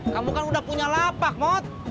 kamu kan udah punya lapak mot